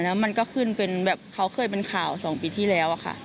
แล้วมันก็ขึ้นเป็นแบบเขาเคยเป็นข่าว๒ปีที่แล้วค่ะ